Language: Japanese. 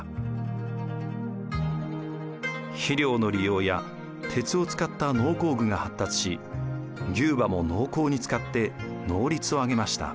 肥料の利用や鉄を使った農耕具が発達し牛馬も農耕に使って能率を上げました。